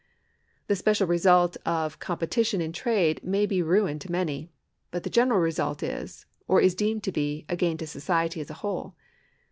The special result of competition in trade may be ruin to many ; but the general result is, or is deemed to be, a gain to society as a whole.